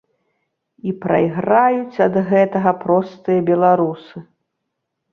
І прайграюць ад гэтага простыя беларусы.